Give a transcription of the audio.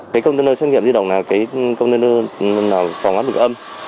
cái container xét nghiệm lưu động là cái container phòng áp lực âm